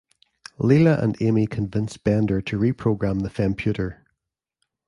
Leela and Amy convince Bender to reprogram the Femputer.